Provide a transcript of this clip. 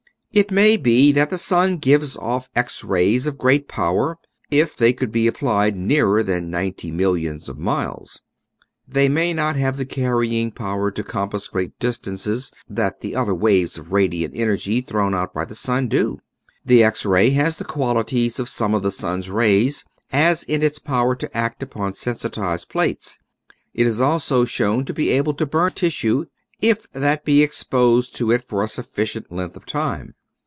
It may be that the sun gives off X rays of great power, if they could be applied nearer than 90,000,000 of miles. They may not have the carrying power to compass great distances that the other waves of radiant energy thrown out by the sun do. The X ray has the quali ties of some of the sun's rays, as in its power to act upon sensitized plates. It is also shown to be able to burn tissue if that be exposed to it for a sufficient length of time.